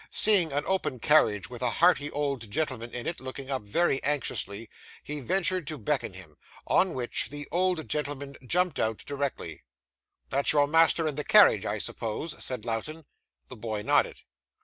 Seeing an open carriage with a hearty old gentleman in it, looking up very anxiously, he ventured to beckon him; on which, the old gentleman jumped out directly. 'That's your master in the carriage, I suppose?' said Lowten. The boy nodded.